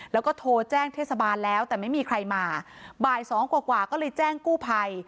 แล้วก็โทรแจ้งเทศบาลแล้วแต่ไม่มีใครมาบ่ายสองกว่ากว่าก็เลยแจ้งกู้ภัย